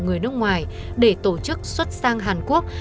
người nước ngoài để tổ chức xuất sang hàn quốc